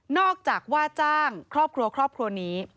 จากว่าจ้างครอบครัวครอบครัวนี้